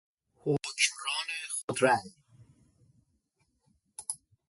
حکمران خود رای